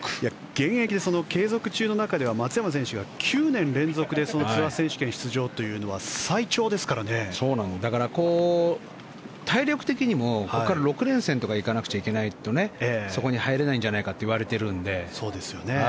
現役で継続中の中では松山選手が９年連続でツアー選手権出場というのはだから、体力的にもここから６連戦とか行かなくちゃいけないというとそこに入れないんじゃないかと言われているので。